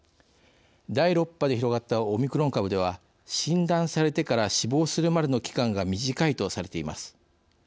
第６波で広がったオミクロン株では診断されてから死亡するまでの期間が短いとされています。